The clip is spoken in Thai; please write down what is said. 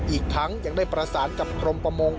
อีกทั้งยังได้ประสานกับกรมประมง